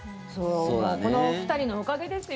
この２人のおかげですよ。